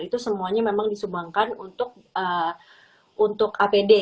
itu semuanya memang disumbangkan untuk apd